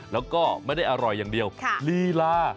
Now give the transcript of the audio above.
แล้วก็ไม่ได้อร่อยอย่างเดียวลีลา